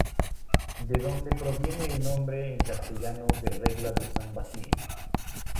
De donde proviene el nombre en castellano de Regla de san Basilio.